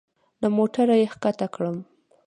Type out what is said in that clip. له موټره يې کښته کړم.